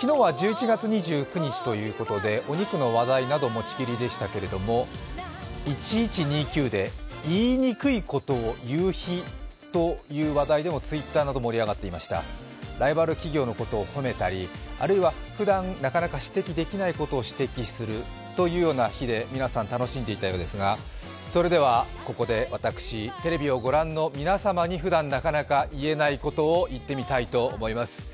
昨日は１１月２９日ということでお肉の話題など、もちきりでしたけれども、１１２９で、いいにくことをいう日という話題でもＴｗｉｔｔｅｒでも盛り上がっていましたライバル企業のことを褒めたり、あるいはふだん指摘しにくいことを指摘したり、皆さん楽しんでいたようですが、それではここで私、テレビをご覧の皆様に、ふだんなかなか言えないことを言ってみたいと思います。